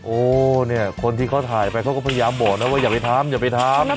โอ้เนี่ยคนที่เขาถ่ายไปเขาก็พยายามบอกนะว่าอย่าไปทำอย่าไปทำ